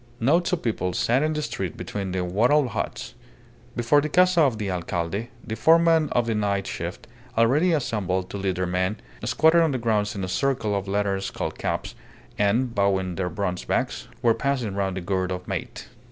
Knots of people sat in the street between the wattled huts. Before the casa of the alcalde, the foremen of the night shift, already assembled to lead their men, squatted on the ground in a circle of leather skull caps, and, bowing their bronze backs, were passing round the gourd of mate.